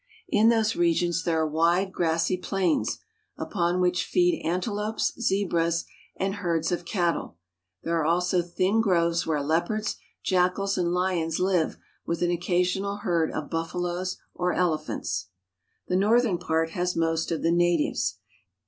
In those regions there are wide, grassy plains, upon which feed antelopes, zebras, and herds of cattle; there are also thin groves where leopards, jackals, and lions live with an occasional herd of buffaloes or elephants. The northern part has most of the natives.